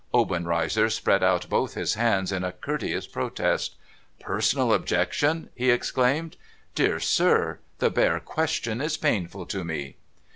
Obenreizer spread out both his hands in courteous protest. * Personal objection !' he exclaimed. ' Dear sir, the bare question is painful to me.'